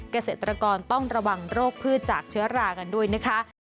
เกษตรกรต้องระวังโรคพืชจากเชื้อรากันด้วยนะคะ